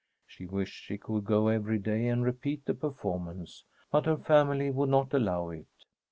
She wished she could go every day and repeat the performance, but her family would not allow it.